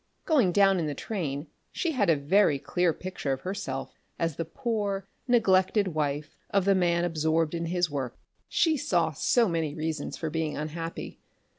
Going down in the train she had a very clear picture of herself as the poor, neglected wife of the man absorbed in his work. She saw so many reasons for being unhappy.